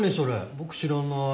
僕知らない。